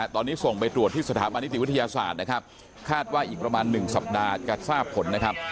ตอนนี้ส่งไปตรวจที่สถาบันนิติวิทยาศาสตร์นะครับคาดว่าอีกประมาณ๑สัปดาห์จะทราบผลนะครับ